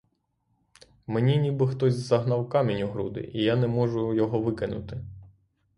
Мені ніби хтось загнав камінь у груди, і я не можу його викинути.